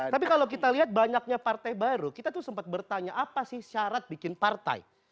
tapi kalau kita lihat banyaknya partai baru kita tuh sempat bertanya apa sih syarat bikin partai